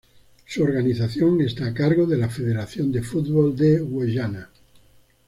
Su organización está a cargo de la Federación de Fútbol de Guyana.